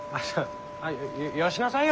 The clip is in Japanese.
よよしなさいよ。